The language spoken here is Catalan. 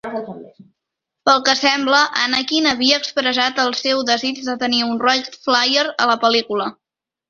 Pel que sembla, Annakin havia expressat el seu desig de tenir un Wright Flyer a la pel·lícula.